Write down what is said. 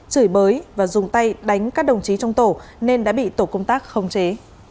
chửi bới và dùng tay đánh các đồng chí trong tổ nên đã bị tổ công tác khống chế